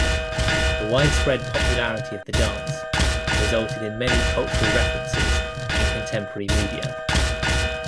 The widespread popularity of the dance resulted in many cultural references in contemporary media.